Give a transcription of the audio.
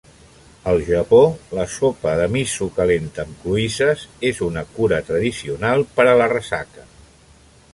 Al Japó, la sopa de miso calenta amb cloïsses és una cura tradicional per a la ressaca.